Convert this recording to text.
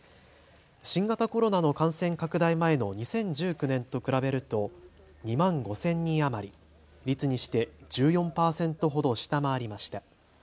新型コロナの感染拡大前の２０１９年と比べると２万５０００人余り、率にして１４％ほど下回りました。